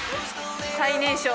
最年少。